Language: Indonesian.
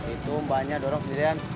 itu mbaknya dorong sidiran